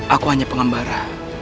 aku hanya pengambara